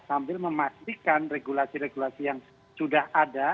sambil memastikan regulasi regulasi yang sudah ada